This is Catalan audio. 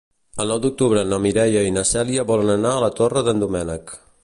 El nou d'octubre na Mireia i na Cèlia volen anar a la Torre d'en Doménec.